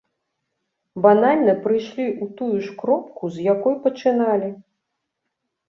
Банальна прыйшлі ў тую ж кропку, з якой пачыналі.